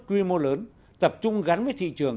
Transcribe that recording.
quy mô lớn tập trung gắn với thị trường